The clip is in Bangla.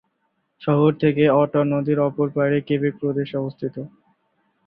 শহর থেকে অটোয়া নদীর অপর পাড়ে কেবেক প্রদেশ অবস্থিত।